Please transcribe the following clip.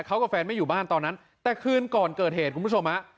เขากับแฟนไม่อยู่บ้านตอนนั้นแต่คืนก่อนเกิดเหตุคุณผู้ชมฮะ